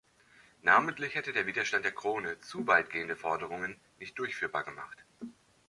Namentlich hätte der Widerstand der Krone zu weitgehende Forderungen nicht durchführbar gemacht.